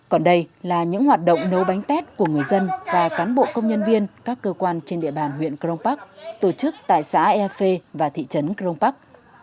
còn đây là những hoạt động nấu bánh tét của người dân và cán bộ công nhân viên các cơ quan trên địa bàn huyện cron park tổ chức tại xã efe và thị trấn cron park